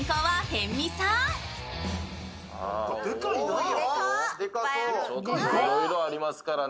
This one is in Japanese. いろいろありますからね